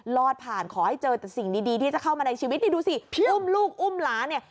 รอดผ่านขอให้เจอแต่สิ่งดีที่จะเข้ามาในชีวิตนี่ดูสิอุ้มลูกอุ้มหลานเนี่ย